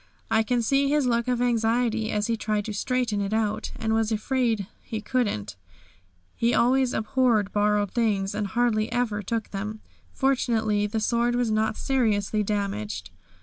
I can see his look of anxiety as he tried to straighten it out, and was afraid he couldn't. He always abhorred borrowed things and hardly ever took them. Fortunately, the sword was not seriously damaged.